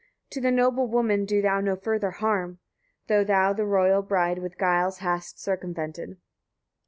To the noble woman do thou no further harm, though thou the royal bride with guiles hast circumvented.